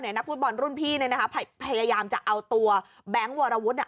นักฟุตบอลรุ่นพี่พยายามจะเอาตัวแบงค์วรวุฒิ